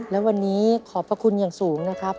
และวันนี้ขอบพระคุณอย่างสูงนะครับ